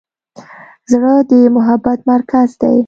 زړه د محبت مرکز دی.